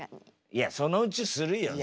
いやそのうちするよ。